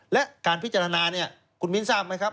และการพิจารณาเนี่ยคุณมิ้นทราบไหมครับ